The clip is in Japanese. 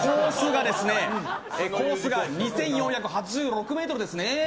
コースが２４８６ｍですね。